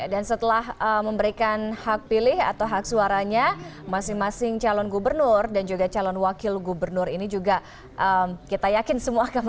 dan setelah memberikan hak pilih atau hak suaranya masing masing calon gubernur dan juga calon wakil gubernur ini juga kita yakin semua akan memperbaiki